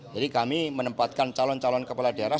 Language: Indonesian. jadi kami menempatkan calon calon kepala daerah